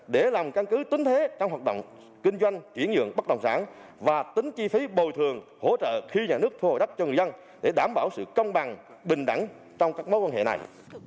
để làm căn cứ tính thế trong hoạt động kinh doanh chuyển nhượng bất động sản và tính chi phí bồi thường hỗ trợ khi nhà nước thu hồi đất cho người dân để đảm bảo sự công bằng bình đẳng trong các mối quan hệ này